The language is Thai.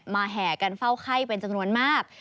แห่กันเฝ้าไข้เป็นจำนวนมาก